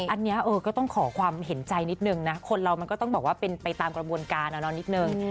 อันนี้ก็ต้องขอความเห็นใจนิดนึงนะคนเรามันก็ต้องบอกว่าเป็นไปตามกระบวนการนิดนึง